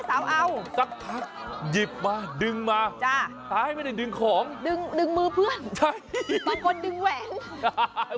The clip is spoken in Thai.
าคสักทางหยิบมาดึงมาจ้าตาให้มันดึงของดึงดึงมือเพื่อนเพื่อนกี้ทักคนดึงแหวน